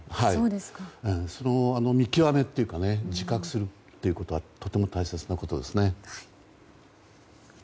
その見極めというか自覚するということはとても大切なことですね。